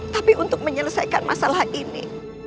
tapi untuk menyelesaikan masalah ini